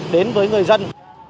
đến với người dân